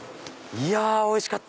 いやおいしかった！